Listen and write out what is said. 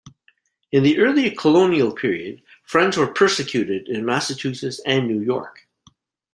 In the early colonial period Friends were persecuted in Massachusetts and New York.